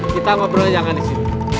kita ngobrolnya jangan disini